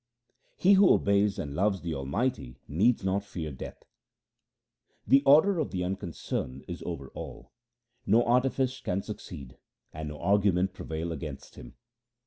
He who obeys and loves the Almighty needs not fear death :— The order of the Unconcerned is over all ; no artifice can succeed and no argument prevail against Him.